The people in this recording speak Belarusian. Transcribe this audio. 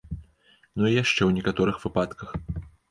Ну і яшчэ ў некаторых выпадках.